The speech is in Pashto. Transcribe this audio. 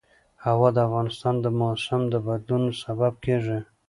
هوا د افغانستان د موسم د بدلون سبب کېږي.